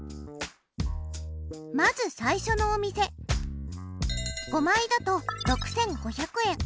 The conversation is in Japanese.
まず最初のお店５枚だと６５００円。